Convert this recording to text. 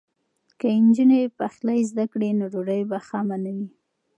که نجونې پخلی زده کړي نو ډوډۍ به خامه نه وي.